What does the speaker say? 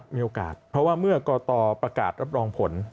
มีโอกาสเพราะว่าเมื่อกตประกาศรับรองผล